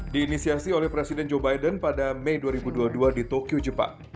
diinisiasi oleh presiden joe biden pada mei dua ribu dua puluh dua di tokyo jepang